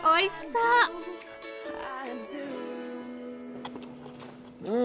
うん！